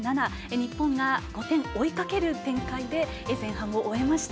日本が５点追いかける展開で前半を終えました。